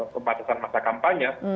kepatasan masa kampanye